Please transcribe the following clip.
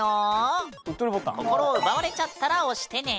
心を奪われちゃったら押してね！